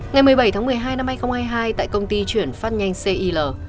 ngày một mươi bảy tháng một mươi hai năm hai nghìn hai mươi hai tại công ty chuyển phát nhanh cil